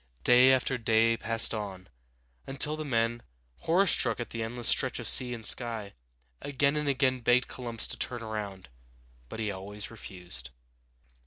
Day after day passed on, until the men, horror struck at the endless stretch of sea and sky, again and again begged Columbus to turn around; but he always refused.